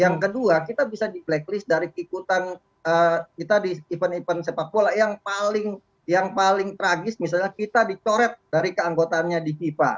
yang kedua kita bisa di blacklist dari ikutan kita di event event sepak bola yang paling tragis misalnya kita dicoret dari keanggotaannya di fifa